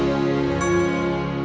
nera punya di mana